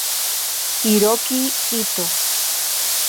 Hiroki Itō